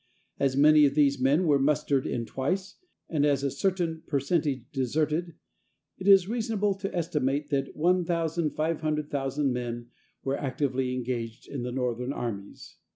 As many of these men were mustered in twice, and as a certain percentage deserted, it is reasonable to estimate that 1,500,000 men were actively engaged in the Northern armies.